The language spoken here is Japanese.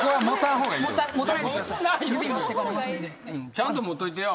ちゃんと持っといてや。